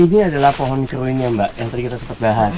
ini adalah pohon keruin ya mbak yang tadi kita sempat bahas